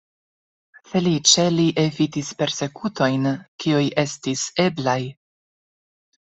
Feliĉe, li evitis persekutojn, kiuj estis eblaj.